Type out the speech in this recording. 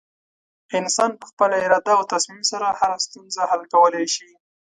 انسان په خپله اراده او تصمیم سره هره ستونزه حل کولی شي.